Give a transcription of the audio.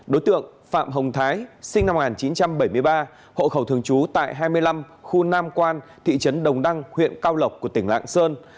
đối tượng phạm hồng thái sinh năm một nghìn chín trăm bảy mươi ba hộ khẩu thường trú tại hai mươi năm khu nam quan thị trấn đồng đăng huyện cao lộc của tỉnh lạng sơn